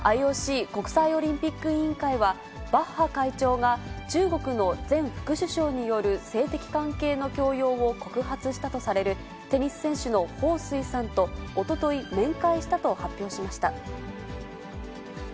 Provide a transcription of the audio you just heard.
ＩＯＣ・国際オリンピック委員会は、バッハ会長が、中国の前副首相による性的関係の強要を告発したとされるテニス選手の彭帥さんとおととい、面会したと発表しました。